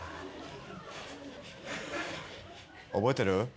覚えてる？